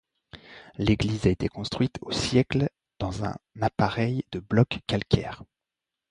L'église a été construite au siècle dans un appareil de blocs calcaires.